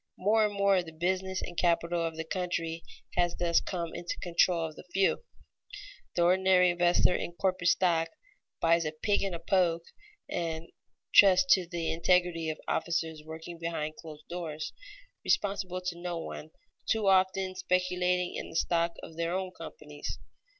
More and more the business and capital of the country has thus come into the control of the few. The ordinary investor in corporate stock "buys a pig in a poke" and trusts to the integrity of officers working behind closed doors, responsible to no one, too often speculating in the stock of their own companies.